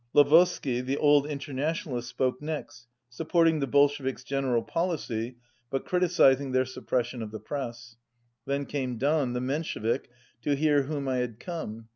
Lozov sky, the old Internationalist, spoke next, support ing the Bolsheviks' general policy but criticizing 200 their suppression of the press. Then came Dan, the Menshevik, to hear whom I had come.